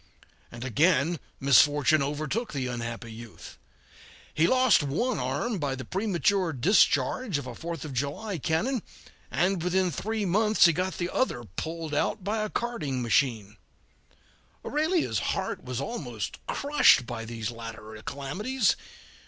And again misfortune overtook the unhappy youth. He lost one arm by the premature discharge of a Fourth of July cannon, and within three months he got the other pulled out by a carding machine. Aurelia's heart was almost crushed by these latter calamities.